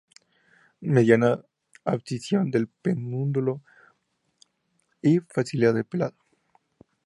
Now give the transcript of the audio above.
Mediana abscisión del pedúnculo, y facilidad de pelado.